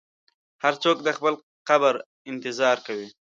هر څوک د خپل قبر انتظار کوي.